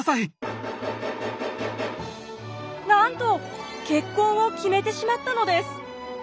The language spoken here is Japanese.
なんと結婚を決めてしまったのです。